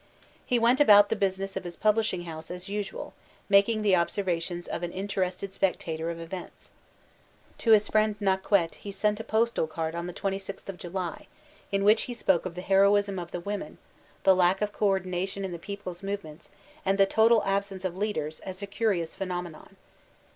He went about the business of his publishing house as usual, making the observations of an interested spectator of events. To hb friend Naquet he sent a postal card on the a6th of July, in which he spoke of the heroism of the women, the lack of co ordination in the people's movements, and the total absence*of leaders, as a curious phenomenon.